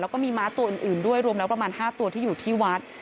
แล้วก็มีม้าตัวอื่นด้วยรวมแล้วประมาณ๕ตัวที่อยู่ที่วัด